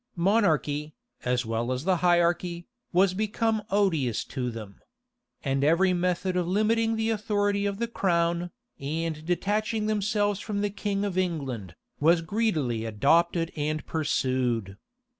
Monarchy, as well as the hierarchy, was become odious to them; and every method of limiting the authority of the crown, and detaching themselves from the king of England, was greedily adopted and pursued.